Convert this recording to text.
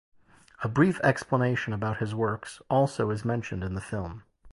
A brief explanation about his works also is mentioned in the film.